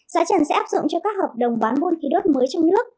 giá trần sẽ áp dụng cho các hợp đồng bán buôn khí đốt mới trong nước